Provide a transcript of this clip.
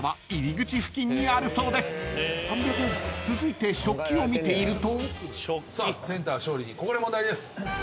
［続いて食器を見ていると］